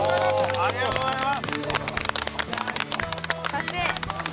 ありがとうございます。